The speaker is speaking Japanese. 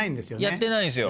やってないんですよ。